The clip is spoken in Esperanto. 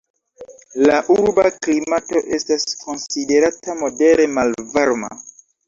La urba klimato estas konsiderata modere malvarma.